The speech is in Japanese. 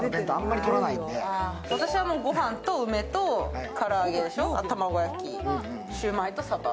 私はご飯と梅とから揚げ、卵焼き、シュウマイとさば。